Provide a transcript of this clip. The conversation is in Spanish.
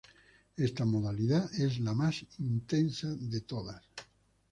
Esta modalidad es la más intensa de todas.